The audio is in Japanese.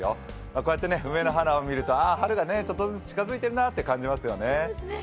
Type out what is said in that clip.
こうやって梅の花を見ると春がちょっとずつ近づいてるんだなって感じますよね。